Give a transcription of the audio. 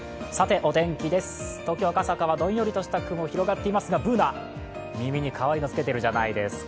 お天気です、東京・赤坂はどんよりとした雲が広がっていますが、Ｂｏｏｎａ、耳にかわいいのつけてるじゃないですか。